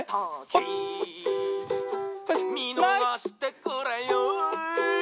「みのがしてくれよぉ」